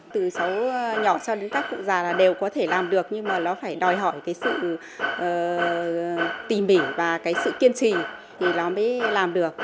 từ xấu nhỏ cho đến cách cụ già là đều có thể làm được nhưng mà nó phải đòi hỏi cái sự tìm bỉ và cái sự kiên trì thì nó mới làm được